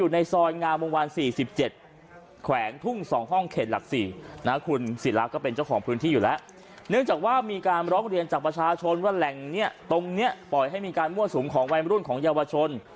เนื่องจากว่ามีการล้อมเรียนจากประชาชนว่าแหล่งเนี้ยตรงเนี้ยปล่อยให้มีการมวดสูงของวัยมรุ่นของเยาวชน